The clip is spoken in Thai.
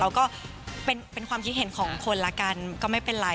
ก็เป็นความคิดเห็นของคนละกันก็ไม่เป็นไร